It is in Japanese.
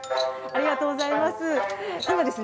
ありがとうございます。